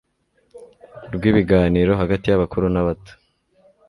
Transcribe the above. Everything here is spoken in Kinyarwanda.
rw ibiganiro hagati y abakuru n abato